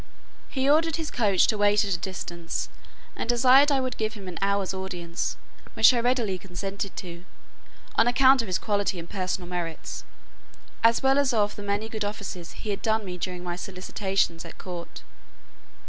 He ordered his coach to wait at a distance, and desired I would give him an hour's audience; which I readily consented to, on account of his quality and personal merits, as well as of the many good offices he had done me during my solicitations at court.